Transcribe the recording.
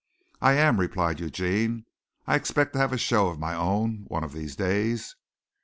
"I am," replied Eugene. "I expect to have a show of my own one of these days."